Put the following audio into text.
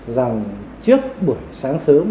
rằng trước buổi sáng sớm